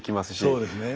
そうですね。